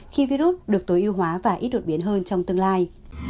khi virus được tối ưu hóa và ít đột biến hơn trong tương lai